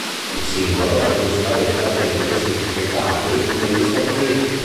Il singolo raggiunse la vetta delle classifiche country negli Stati Uniti.